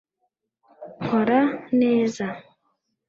nkora neza